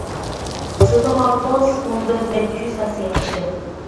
سىزنىڭ ھالىتىڭىز ئۇنىدىن نەچچە يۈز ھەسسە ياخشىكەن.